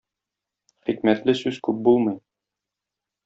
Хикмәтле сүз күп булмый.